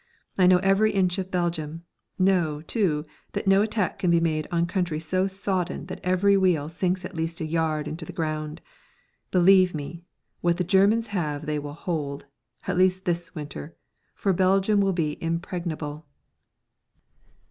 I know every inch of Belgium; know, too, that no attack can be made on country so sodden that every wheel sinks at least a yard into the ground. Believe me, what the Germans have they will hold at least this winter. For Belgium will be impregnable!"